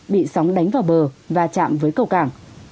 bị sóng đánh vào bờ và chạm với cầu cảng